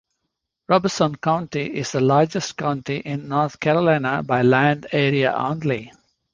Robeson County is the largest county in North Carolina by land area only.